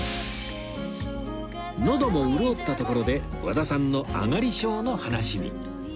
のども潤ったところで和田さんのあがり性の話に